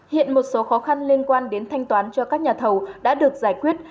hiện một số khó khăn liên quan đến thanh toán cho các nhà thầu đã được giải quyết